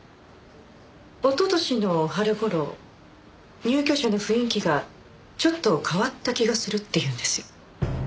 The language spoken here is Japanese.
一昨年の春頃入居者の雰囲気がちょっと変わった気がするって言うんですよ。